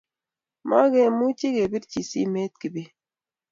Magemuchi kebirchi simet kibet